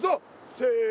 せの。